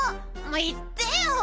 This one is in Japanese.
いってよ。